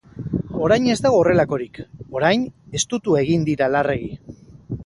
Orain ez dago horrelakorik, orain estutu egin dira larregi.